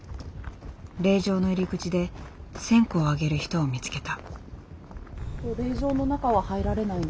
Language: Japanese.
霊場の入り口で線香をあげる人を見つけた。